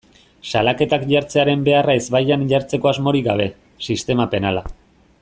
Salaketak jartzearen beharra ezbaian jartzeko asmorik gabe, sistema penala.